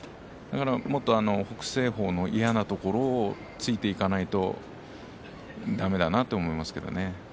北青鵬の嫌なところを突いていかないとだめだと思いますよ。